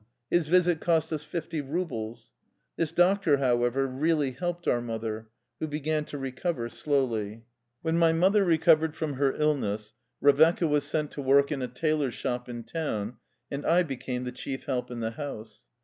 His visit cost us fifty rubles. This doctor, how ever, really helped our mother, who began to recover slowly. When my mother recovered from her illness, Revecca was sent to work in a tailor's shop in town, and I became the chief help in the house.